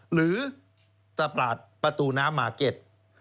หรือตลาดประตูน้ำมาร์เก็ต